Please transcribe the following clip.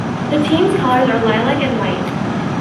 The team's colours are lilac and white.